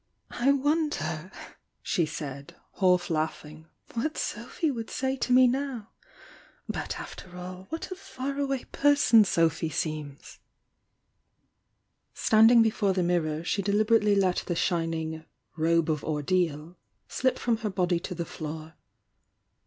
"I wonder," she said, half laughing, "what Sophy would say to me now! But, after all, what a far away person Sophy seems!" 300 810 THE YOUNG DIANA ^1 I l^^ Standing before the mirror ahe deliberately let ihe rfjining "robe of ordeal" slip from her body to the floor.